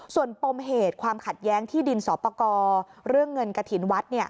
ส่วนปมเหตุความขัดแย้งที่ดินสอปกรเรื่องเงินกระถิ่นวัด